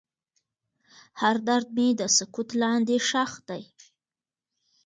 هر درد مې د سکوت لاندې ښخ دی.